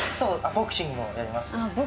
ボクシングもやりますね。